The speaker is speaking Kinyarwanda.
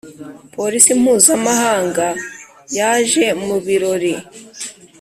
Polisi mpuzamahanga yaje mu birori.